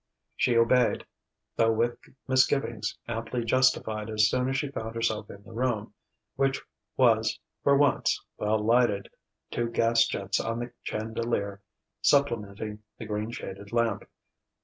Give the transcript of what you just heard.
She obeyed, though with misgivings amply justified as soon as she found herself in the room, which was for once well lighted, two gas jets on the chandelier supplementing the green shaded lamp.